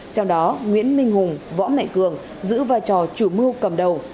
trong đó nguyễn minh hùng võ mạnh cường giữ vai trò chủ mưu cầm đầu